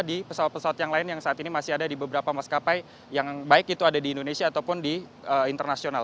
di pesawat pesawat yang lain yang saat ini masih ada di beberapa maskapai yang baik itu ada di indonesia ataupun di internasional